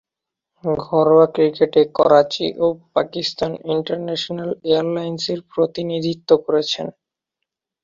ঘরোয়া ক্রিকেটে করাচি ও পাকিস্তান ইন্টারন্যাশনাল এয়ারলাইন্সের প্রতিনিধিত্ব করেছেন।